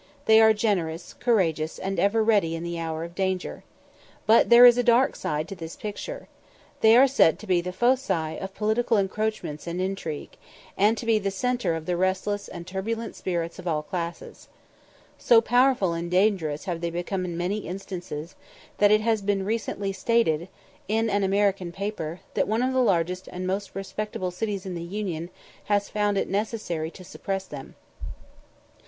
They are generous, courageous, and ever ready in the hour of danger. But there is a dark side to this picture. They are said to be the foci of political encroachment and intrigue, and to be the centre of the restless and turbulent spirits of all classes. So powerful and dangerous have they become in many instances, that it has been recently stated in an American paper, that one of the largest and most respectable cities in the Union has found it necessary to suppress them.